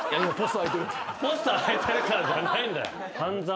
「ポスト空いてるから」じゃないんだよ。